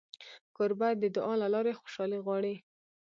کوربه د دعا له لارې خوشالي غواړي.